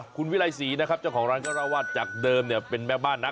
คุณวิรัยศรีนะครับเจ้าของร้านก็เล่าว่าจากเดิมเนี่ยเป็นแม่บ้านนะ